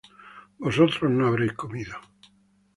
vosotros no habréis comido